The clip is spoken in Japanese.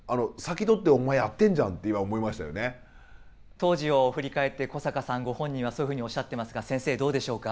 当時を振り返って古坂さんご本人はそういうふうにおっしゃってますが先生どうでしょうか？